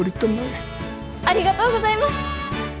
ありがとうございます！